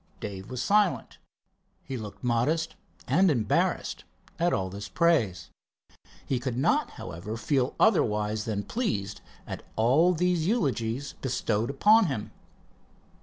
Dave was silent. He looked modest and embarrassed at all this praise. He could not, however, feel otherwise than pleased at all these eulogies bestowed upon him.